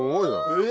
え！